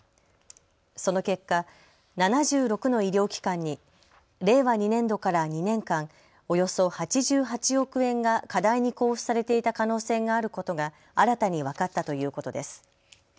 その結果、７６の医療機関に令和２年度から２年間、およそ８８億円が過大に交付されていた可能性があることが新たに分かったということです。